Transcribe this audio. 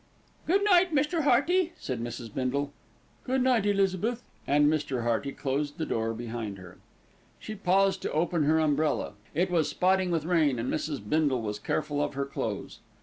"Good night, Mr. Hearty," said Mrs. Bindle. "Good night, Elizabeth," and Mr. Hearty closed the door behind her. She paused to open her umbrella, it was spotting with rain and Mrs. Bindle was careful of her clothes.